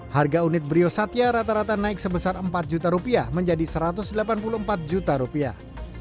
harga unit brio satya rata rata naik sebesar empat juta rupiah menjadi satu ratus delapan puluh empat juta rupiah